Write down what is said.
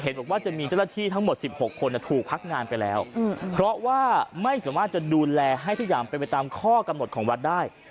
บอกว่าจะมีเจ้าหน้าที่ทั้งหมด๑๖คนถูกพักงานไปแล้วเพราะว่าไม่สามารถจะดูแลให้ทุกอย่างเป็นไปตามข้อกำหนดของวัดได้